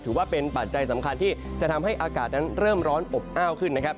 ปัจจัยสำคัญที่จะทำให้อากาศนั้นเริ่มร้อนอบอ้าวขึ้นนะครับ